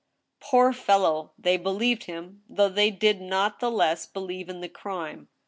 " Poor fellow ! They believed him, though they did not the less be lieve in the crime.